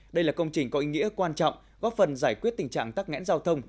đây là công trình có ý nghĩa quan trọng góp phần giải quyết tình trạng tắc nghẽn giao thông